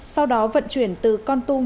sau đó vận chuyển từ con tum